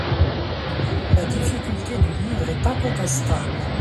La difficulté du livre est incontestable.